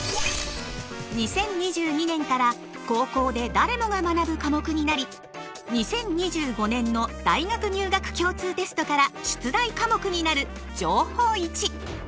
２０２２年から高校で誰もが学ぶ科目になり２０２５年の大学入学共通テストから出題科目になる「情報Ⅰ」。